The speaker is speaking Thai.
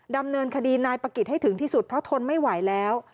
ดำเนินคดีนายปะกิจให้ถึงที่สุดเพราะทนไม่ไหวแล้ว